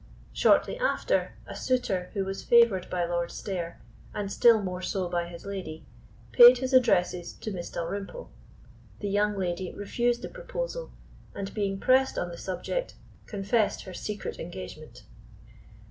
Shortly after, a suitor who was favoured by Lord Stair, and still more so by his lady, paid his addresses to Miss Dalrymple. The young lady refused the proposal, and being pressed on the subject, confessed her secret engagement.